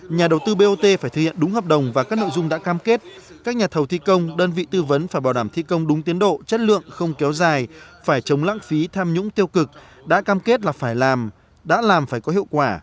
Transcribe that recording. nhà đầu tư bot phải thực hiện đúng hợp đồng và các nội dung đã cam kết các nhà thầu thi công đơn vị tư vấn phải bảo đảm thi công đúng tiến độ chất lượng không kéo dài phải chống lãng phí tham nhũng tiêu cực đã cam kết là phải làm đã làm phải có hiệu quả